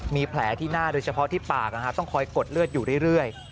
มีแผลที่หน้าโดยเฉพาะที่ปากต้องคอยกดเลือดอยู่เรื่อย